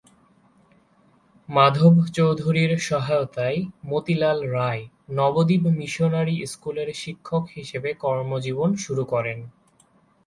মাধব চৌধুরীর সহায়তায় মতিলাল রায় নবদ্বীপ মিশনারি স্কুলের শিক্ষক হিসাবে কর্মজীবন শুরু করেন।